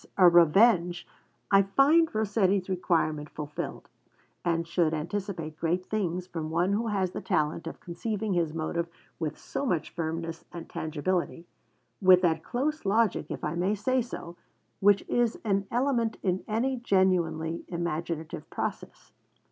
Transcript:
'A Revenge,' I find Rossetti's requirement fulfilled, and should anticipate great things from one who has the talent of conceiving his motive with so much firmness and tangibility with that close logic, if I may say so, which is an element in any genuinely imaginative process.